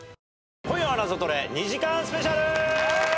『今夜はナゾトレ』２時間スペシャル！